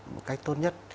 một cách tốt nhất